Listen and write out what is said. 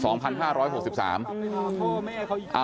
สองพันห้าร้อยหกสิบสามอืม